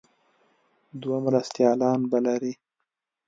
دوه مرستیالان به لري.